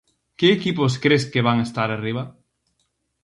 Que equipos cres que van estar arriba?